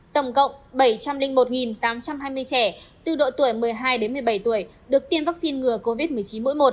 tổng cộng bảy trăm linh một tám trăm hai mươi trẻ từ độ tuổi một mươi hai đến một mươi bảy tuổi được tiêm vaccine ngừa covid một mươi chín mỗi một